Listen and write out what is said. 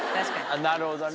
なるほどね。